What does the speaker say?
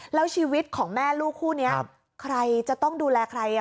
แล้วชีวิตของแม่ลูกคู่นี้ใครจะต้องดูแลใคร